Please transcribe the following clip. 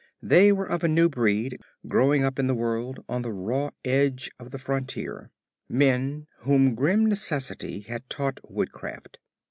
They were of a new breed growing up in the world on the raw edge of the frontier men whom grim necessity had taught woodcraft.